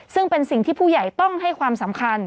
ซึ่งเป็นสิ่งที่ผู้ใหญ่ต้องให้ความสำคัญ